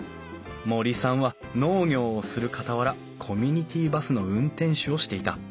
森さんは農業をするかたわらコミュニティーバスの運転手をしていた。